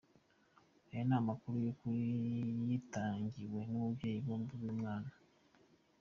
Aya ni amakuru y’ukuri yitangiwe n’ababyeyi bombi b’uyu mwana.